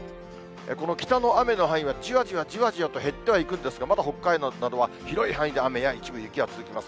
この北の雨の範囲は、じわじわじわじわと減ってはいくんですが、まだ北海道などは広い範囲で雨や、一部雪が続きます。